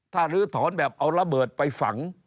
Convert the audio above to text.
ถ้าลื้อถอนแบบเอาระเบิดไปฝัง